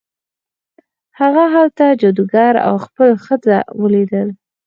هغه هلته جادوګر او خپله ښځه ولیدل.